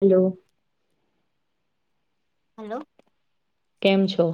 Hello. Hello. કેમ છો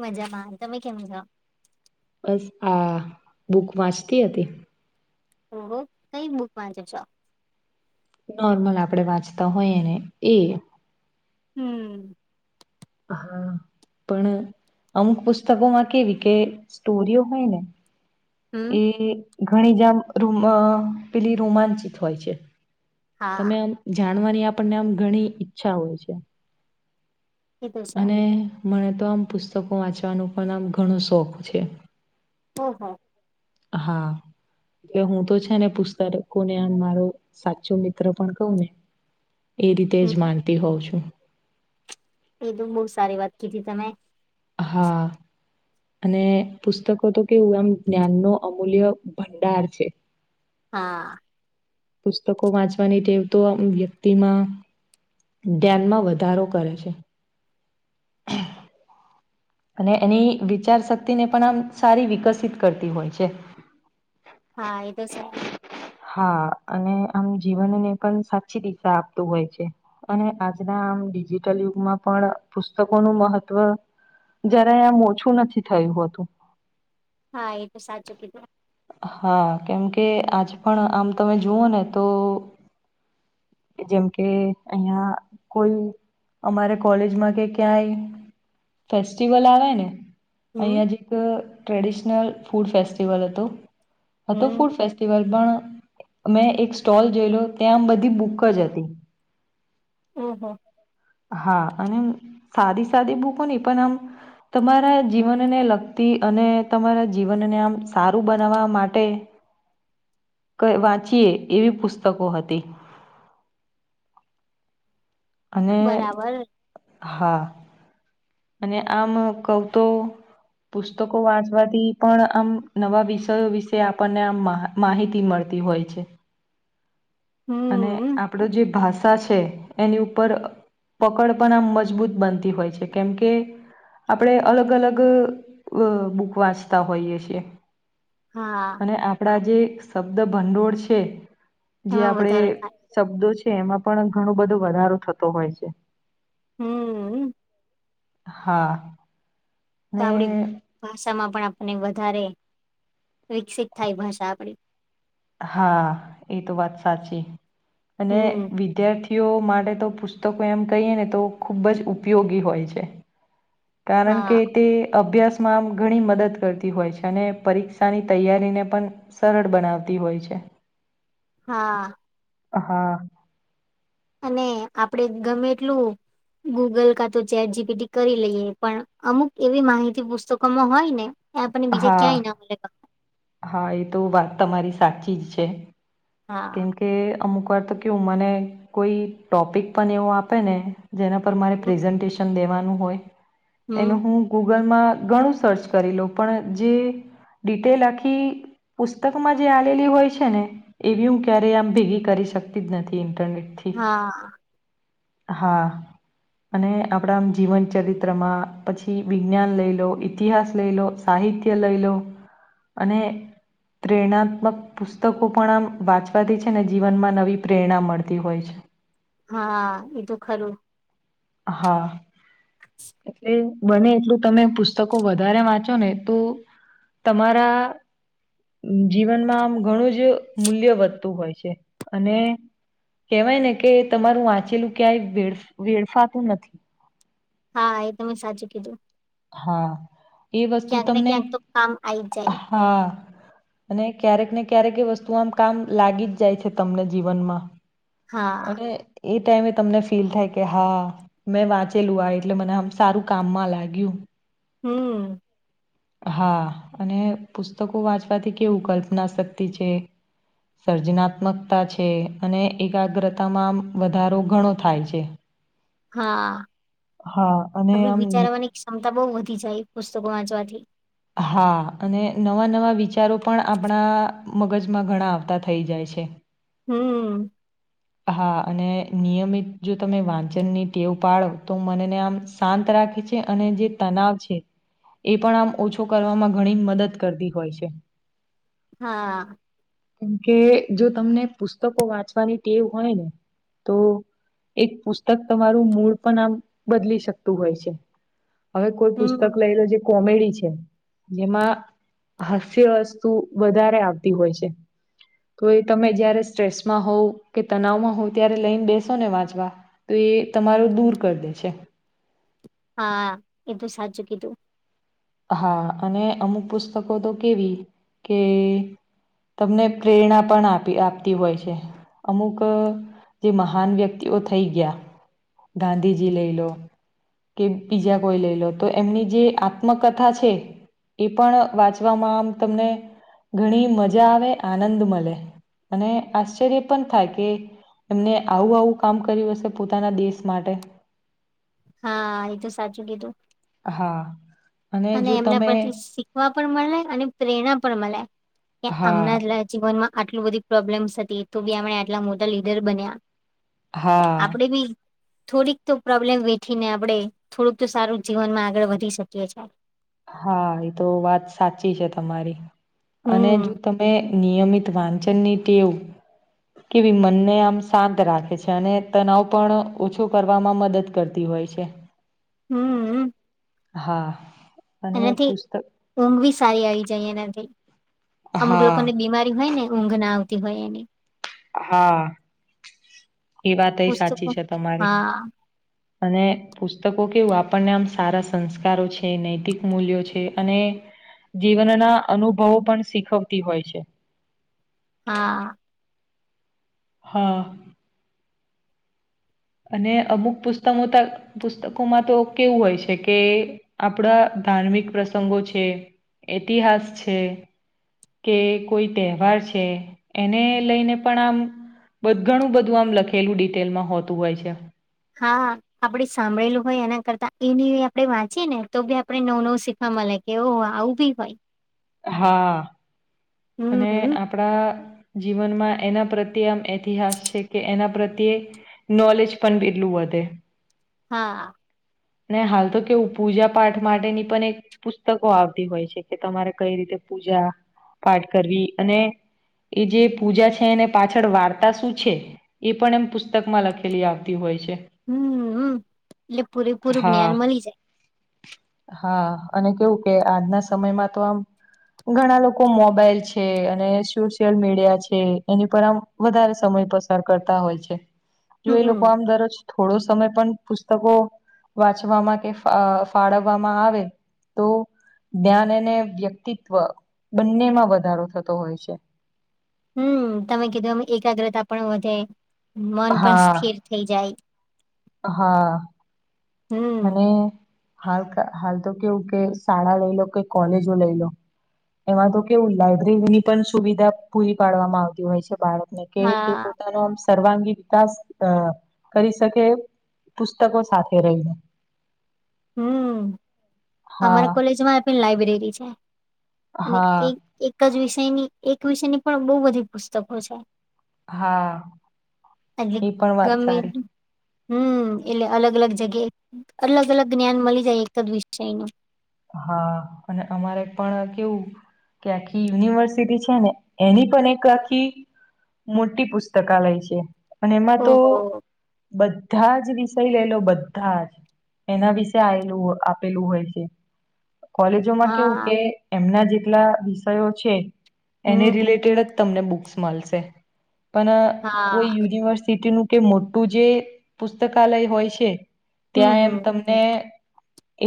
મજામાં તમે કેમ જાવ બસ આ બુક વાંચતી હતી. ઓહ કઈ બુક વાંચે છો નોર્મલ આપણે વાંચતા હોઈએ ને એ હમ હા પણ અમુક પુસ્તકોમાં કેવી કે સ્ટોરીઓ હોય ને હમ એ ઘણી જામ ર પેલી રોમાંચિત હોય છે. તમે હા આમ જાણવાની આપણને આમ ઘણી ઈચ્છા હોય છે. એ તો સા અને મને તો આમ પુસ્તકો વાંચવાનું પણ આમ ઘણો શોખ છે ઓહો હા એ હું તો છે ને પુસ્તક કોને મારો સાચું મિત્ર પણ કઉને એ રીતે જ હમ માનતી હોઉ છું એ તો બહુ સારી વાત કીધી તમે હા અને પુસ્તકો તો કેવું એમ જ્ઞાન ન અમૂલ્ય ભંડાર છે હા પુસ્તકો વાંચવાની ટેવ તો આમ વ્યક્તિમાં ધ્યાનમાં વધારો કરે છે અને એની વિચારશક્તિને પણ આમ સારી વિકસિત કરતી હોય છે હા એ તો છે હા અને આમ જીવનને પણ સાચી દિશા આપતું હોય છે અને આજના મ ડિજિટલ યુગમાં પણ પુસ્તકોનું મહત્વ જરાય આમ ઓછું નથી થયું હતું હા એ તો સાચું કીધું હા કેમકે આજ પણ આમ તમે જુઓને તો જેમ કે અહીંયા કોઈ અમારે કોલેજમાં કે ક્યાંય ફેસ્ટિવલ આવેને હમ અહીંયા જ એક ટ્રેડિશનલ ફૂડ ફેસ્ટિવલ હતો હતો હમ ફૂડ ફેસ્ટિવલ પણ મેં એક સ્ટોલ જોયલો ત્યાં આમ બધી બુક બુકજ હતી ઓહો હા અને સાદી સાદી બૂકો નહિ પણ આમ તમારા જીવનને લગતી અને તમારા જીવનને આમ સારું બનાવવા માટે કઇ વાંચીએ એવી પુસ્તકો હતી. હ [inaudible] બરાબર. હા અને આમ કવ તો પુસ્તકો વાંચવાથી પણ આમ નવા વિષયો વિશે આપણને આમ મા માહિતી મળત. થી હોય છે અને હમ આપણે જે ભાષા છે. એની ઉપર પકડ પણ આમ મજબૂત બનતી હોય છે કેમકે આપણે અલગ અલગ અ બુક વાંચતા હોઈએ છીએ. હા અને આપણા જે શબ્દ ભંડોળ છે. જે એમાં આપણેે વધારો થાય શબ્દો છે એમાં પણ ઘણો બધો વધારો થતો હોય છે. હમ હા તો ને આપડી ભાષામાં પણ અને વધારે વિકસિત થાય ભાષા આપડી હા એ તો વાત સાચી અને હમ વિદ્યાર્થી ઓ માટે તો પુસ્તકો એમ કહીએ ને તો ખૂબ જ ઉપયોગી હોય છે. કારણ કે હા તે અભ્યાસમાં આમ ઘણી મદદ કરતી હોય છે અને પરીક્ષાની તૈયારીને પણ સરળ બનાવ તી હોય છે. હા હા અને આપડે ગમે એટલું ગૂગલ કા તો ચેટ જીપીટી કરી લઈએ પણ અમુક એવી માહિતી પુસ્તકોમાં હોય ને એ આપણને બીજે ક્યાંય ના હા મળે પણ. હા એ તો વાત તમારી સાચી જ છે હા કેમ કે અમુક ઉપર તો કવુ મને કોઈ ટોપિક પણ એવું આપે ને જેના પર મારે હમ પ્રેઝન્ટેશન દેવાનું હોય હમ એનુ હું ગુ ગૂગલમાં ઘણું સર્ચ કરી લો પણ જે ડિટેલ આખી પુસ્તકમાં જે આલી હોય છે ને એવી હું ક્યારેય આમ ભેગી કરી શકતી જ નથી એમ. ઇન્ટરનેટ થી હા હા અને આપણામ જીવન ચરિત્રમાં પછી વિજ્ઞાન લઈ લો ઇતિહાસ લઈ લો સા સાહિત્ય લઈ લો અને પ્રેરણાત્મક પુસ્તકો પણ આમ વાંચવાથી છે ને જીવનમાં નવી પ્રેરણા મળતી હોય છે. હા એ તો ખરું હા. એટલે બને એટલું તમે પુસ્તકો વધારે વાંચો ને તો તમારા જીવનમાં આમ ઘણું જ મૂલ્ય વધતું હોય છે અને કેવાય ને કે તમારું વાંચેલું ક્યાંય વેડ વેડફાતું નથી. હા એ તમે સાચું કીધું. હા. એ વસ્તુ ક્યાંક ને તમને ક્યાંક તો કામ આઈ જ જાય હા અને ક્યારેક ને ક્યારેક વસ્તુ આમ કામ લાગી જ જાય છે તમને જીવનમાં હા અને એ ટાઈમે તમને ફીલ થાય કે હા મેં વાંચેલું આ એટલે મને આમ સારું કામમાં લાગ્યું. હમ્મ. હા અને પુસ્તકો વાંચવાથી કેવું કલ્પના શક્તિ છે સર્જનાત્મકતા છે અને એકાગ્રતામાં વધારો ઘણો થાય છે. હા હા અને આપડી આમ ની વિચારવાની ક્ષમતા બહું વધી જાય પુસ્તકો વાંચવાથી હા અને નવા નવા વિચારો પણ આપણા મગજમાં ઘણા આવતા થઈ જાય છે. છે. હમ્મ. હા અને નિયમિત જો તમે વાંચન ની ટેવ પાડો તો મનેને આમ શાંત રાખ ની છે અને તણાવ છે એ પણ આમ ઓછું છુ કરવામાં ઘણી મદદ કરતી હોય છે. હા. કેમકે જો તમને પુસ્તકો વાંચવાની ટેવ હોય ને તો એક પુસ્તક તમારું મૂળ પણ આમ બદલી શકતું હોય છે. હવે કોઈ પુસ્તક હમ લય લો જે કોમેડી છે જેમાં હાસ્ય વસ્તુ વધારે આવતી હોય છે તો એ તમે જયારે સ્ટ્રેસમાં હોવ કે તનાવમાં હોવ ત્યારે લઈને બેસો ને વાંચવા તોએ એ તમારો દૂર કરી દે છે હા એ તો સાચુ કીધું. હા અને અમુક પુસ્તકો તો કેવી કે તમને પ્રેરણા પણ આપી આપતી હોય છે. અમુક જે મહાન વ્યક્તિઓ થઈ ગયા ગાંધીજી લઈ લો કે પીજા કોઈ લઈ લો તો એમની જે આ મ કથા છે એ પણ વાંચવામાં આમ તમને ઘણી મજા આવે આનંદ મળે અને આશ્ચર્ય પણ થાય કે એમને આવું આવું કામ કર્યું હશે પોતાના દેશ માટે હા એ તો સાચું કીધું. હા. અને જો એમના તમે પરથી શીખવા પણ મળે અને પ્રેરણા પણ મળે. કે હા આમના જ જીવનમાં આટલું બધી પ્રોબ્લેમ્સ હતી તો બી આપણે આટલા મોટા લીડર બન્યા હા આપણેે બી થોડીક તો પ્રોબ્લેમ વેઠીને આપડે થોડુંક તો સારું જીવનમાં આગળ વધી શકીએ છે. હા એ તો વાત સાચી છે તમારી અને હમ જો તમે નિયમિત વાંચનની ટેવ કેવી મનને આમ શાંત રાખે છે અને તનાવ પણ ઓછો કરવામાં મદદ કરતી હ હોય છે. હમ્મ હા અને પુસ્ત ઊંઘ બી સારી આવી જાય એનાથી અમુક લોકોને હા બીમારી હોય ને ઊંઘ ના આવતી હોય એની હા એ વાતય પુસ્તકો સાચી છે તમારી હા અને પુસ્તકો કેવું આપણને આમ સારા સંસ્કારો છે નૈતિક મૂલ્યો છે અને જીવનના અનુભવો પણ શીખવતી હોય છે. હા હા અને અમુક પુસ્તમોતક પુસ્તકોમાં તો કેવું હોય છે કે આપણા ધાર્મિક પ્રસંગો છે ઐતિહાસ છે. કે કોઈ તહેવાર છે એને લઈને પણ આમ બ ઘણું બધું આમ લખેલું ડિટેલમાં હોતું હોય છે. હા આપડે સાંભળેલું હોય એના કરતા એને આપડે વાંચીએ ને તો ભી આપડે નવું નવું શીખવા મલે કેવું આવું ભી હોય હા અને હમ આપડા જીવનમાં એના પ્રત્યે આમ ઐતિહાસક કે એના પ્રત્યે નોલેજ પણ એટલું વધે હા ને હાલ તો કેવું પૂજા પાઠ માટેની પણ એક પુસ્તકો આવતી હોય છે કે તમારે કઈ રીતે પૂજા પાઠ કરવી અને એ જે પૂજા છે એને પાછળ વાર્તા શું છે એ પણ એમ પુસ્તકમાં લખેલી આવતી હોય છે. પૂરું હા જ્ઞાન મલી જાય હા અને કેવું કે આજના સમયમાં તો આમ ઘણા લોકો મોબાઈલ છે અને સોશિયલ મીડિયા છે એની પર આમ વધારે સમય પાસાર કરતા હોય છે જો એ લોકો હમ આમ દરરોજ થોડો સમય પણ પુસ્તકો વાંચવામાં કે ફા અ‌ ફાળવવામાં આવે તો જ્ઞાન અને વ્યક્તિત્વ બંનેમાં વધારો થતો હોય છે. હમ તમે કીધું એમ એકાગ્રતા પણ વધે મન પણ હા. સ્થિર થઈ જાય હા હમ અને હાલ હાલ તો કેવું કે શાળા લઈ લો કે કોલેજો લઈ લો એમાં તો કેવું લાયબ્રેરી ની પણ સુવિધા પૂરી પાડવામાં આવતી હોય છે બાળ કોને કે એ હા પોતાનો આમ સર્વાંગી વિકાસ અ કરી શકે પુસ્તકો સાથે રહીને હમ હા અમારા કોલેજમાં પણ લાઈબ્રેરી છે. અને હા એક એક જ વિષયની એક વિષયની પણ બોવ બધી પુસ્તકો છે. હા એ [unintelligible] પણ વાત ગમે સારી હમ એટલે અલગ અલગ જગ્યાએ અલગ અલગ જ્ઞાન મલી જાય એક જ વિષયનુ હા અને અમારે પણ કેવું કે આખી યુનિવર્સિટી છે ને એની પણ એક આખી મોટી પુસ્તકાલય છે અને એમાં તો ઓહો બધાજ જ વિષય લેલો બધા જ એના વિશે આયલું આપેલું હોય છે. કોલેજોમાં કેવું હા કે એમના જેટલા વિષયો છે એને હમ રિલેટેડ તમને બુકસ મલશે પણ કોઈ હા યુનિવર્સિટીનું કે મોટું જે પુસ્તકાલય હોય છે હમ ત્યાં એમ હમ તમને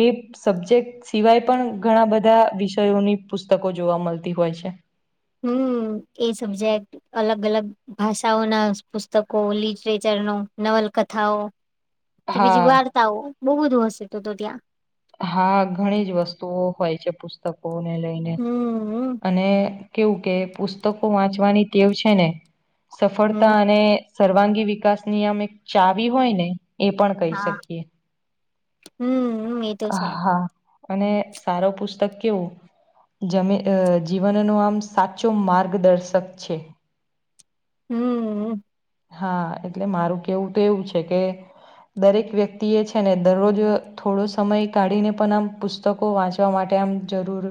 એ સબ્જેક્ટ સિવાય પણ ઘણા બધા વિષયોની પુસ્તકો જોવા મળતી હોય છે. હમ એ સબ્જેક્ટ અલગ અલગ ભાષાઓના પુસ્તકો લિટરેચરનો નવલકથાઓ કે બીજી હા વાર્તાઓ બઉુ બધું હશે તો તો ત્યાં હા ઘણી જ વસ્તુઓ હોય છે પુસ્તકોને લઈને હમ અને કેવું કે પુસ્તકો વાંચવાની ટેવ છે ને હમ સફળતા અને સર્વાંગી વિકાસ નિ યમ એક ચાવી હોય ને એ પણ કહી હા શકીએ હમ એ તો છે. હા અને સારો પુસ્તક કેવું જમે જીવનનો આમ સાચો માર્ગદર્શક છે. હમ. હા એટલે મારું કેવું તો એવું છે કે દરેક વ્યક્તિ એ છે ને દરરોજ થોડો સમય કાઢીને પણ આમ પુસ્તકો વાંચવા માટે તેમ જરૂર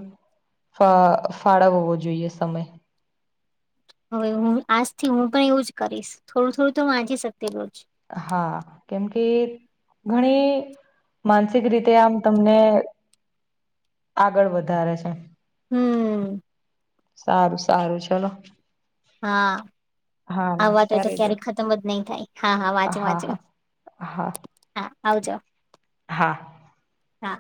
ફ ફાળવ હોવો જોઈએ સમય હવે હું આજથી હું પણ એવું જ કરીશ થોડું થોડું તો વાચી સકતી રોજ હા કેમ કે ઘણી માનસિક રીતે આમ તમને આગળ વધારે છે. હમ સારું સારું ચલો હા હા આ વાતો વાંચતા તો રેજો ક્યારેક ખતમ જ નહી થાય હા હા હા વાંચું વાંચું હા હા આવજો હા હા